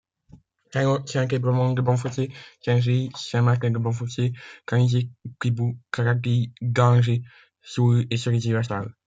Saint-Lô, Saint-Ébremond-de-Bonfossé, Saint-Gilles, Saint-Martin-de-Bonfossé, Canisy, Quibou, Carantilly, Dangy, Soulles et Cerisy-la-Salle.